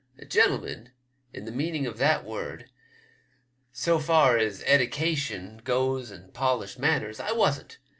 A gentleman in the meaning of that word, so far as eddication goes and polished manners, I wasn't.